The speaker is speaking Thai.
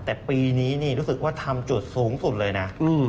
แต่ปีนี้นี่รู้สึกว่าทำจุดสูงสุดเลยนะ